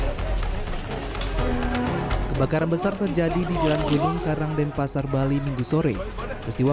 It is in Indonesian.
hai kebakaran besar terjadi di jalan gilung karangden pasar bali minggu sore peristiwa